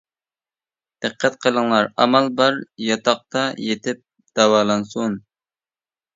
دىققەت قىلىڭلار، ئامال بار ياتاقتا يېتىپ داۋالانسۇن!